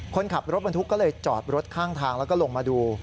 คนขับรถบรรทุกก็เลยจอดรถข้างทางแล้วก็ลงมาดู